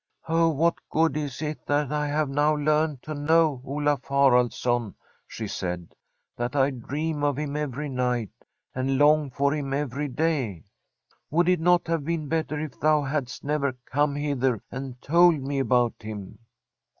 * Of what good is it that I have now learnt to know Olaf Haraldsson,' she said, * that I dream of him every night, and long for him every day ? Would it not have been better if thou hadst never come hither and told me about him